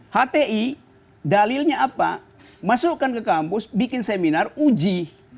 hti dalilnya apa masukkan ke kampus bikin seminar uji